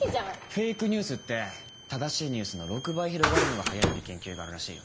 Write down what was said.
フェイクニュースって正しいニュースの６倍広がるのが早いって研究があるらしいよ。